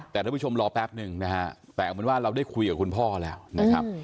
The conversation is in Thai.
แต่ท่านผู้ชมรอแป๊บนึงนะฮะแต่เอาเป็นว่าเราได้คุยกับคุณพ่อแล้วนะครับ